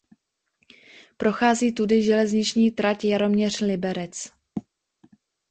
Prochází tudy železniční trať Jaroměř–Liberec.